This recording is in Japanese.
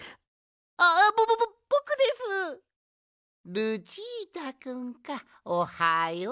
ルチータくんかおはよう。